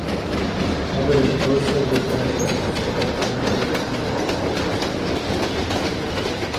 Over the course of the franchise several timetable changes are expected to be made.